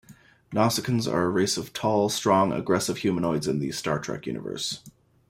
Nausicaans are a race of tall, strong, aggressive humanoids in the "Star Trek" universe.